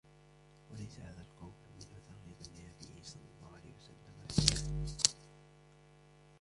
وَلَيْسَ هَذَا الْقَوْلُ مِنْهُ تَرْغِيبًا لِنَبِيِّهِ صَلَّى اللَّهُ عَلَيْهِ وَسَلَّمَ فِيهَا